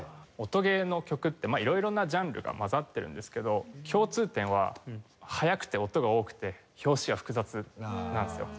音ゲーの曲って色々なジャンルが混ざってるんですけど共通点は速くて音が多くて拍子が複雑なんですよ。